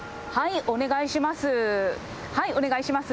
お願いします。